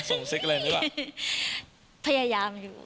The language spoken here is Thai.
พยายามอยู่ค่ะ